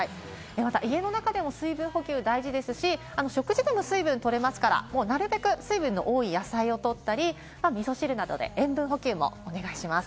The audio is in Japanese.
また、家の中でも水分補給が大事ですし、食事でも水分が取れますから、なるべく水分の多い野菜をとったり、みそ汁などで塩分補給もお願いします。